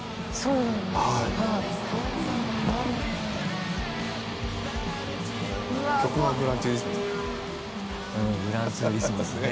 うん『グランツーリスモ』ですね